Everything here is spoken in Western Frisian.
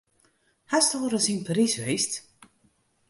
Hast al ris yn Parys west?